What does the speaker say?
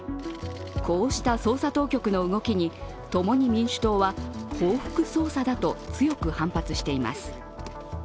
こうした捜査当局の動きに、共に民主党は報復捜査だと強く反発しています。